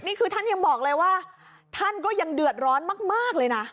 นี่คือท่านยังบอกเลยว่าท่านก็ยังเดือดร้อนมากเลยนะ